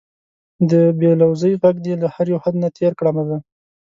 د بې لوظۍ غږ دې له هر یو حد نه تېر کړمه زه